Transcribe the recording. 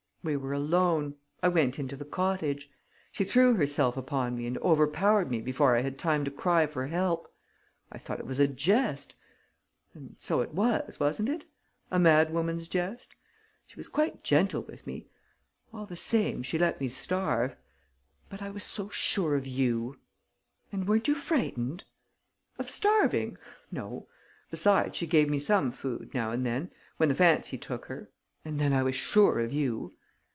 We were alone. I went into the cottage. She threw herself upon me and overpowered me before I had time to cry for help. I thought it was a jest; and so it was, wasn't it: a madwoman's jest? She was quite gentle with me.... All the same, she let me starve. But I was so sure of you!" "And weren't you frightened?" "Of starving? No. Besides, she gave me some food, now and then, when the fancy took her.... And then I was sure of you!"